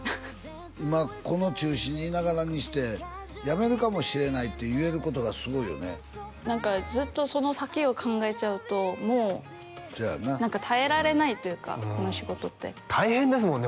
今この中心にいながらにして「やめるかもしれない」って言えることがすごいよね何かずっとその先を考えちゃうともう耐えられないというかこの仕事って大変ですもんね